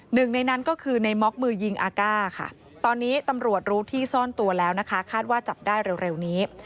หนึ่งในนั้นก็คือในม็อกมือยิงอาก้าค่ะตอนนี้ตำรวจรู้ที่ซ่อนตัวแล้วนะคะคาดว่าจับได้เร็วนี้